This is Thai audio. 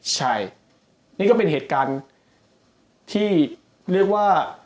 ใช่นี่ก็เป็นเหตุการณ์ที่เรียกว่า